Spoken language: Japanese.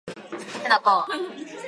手の甲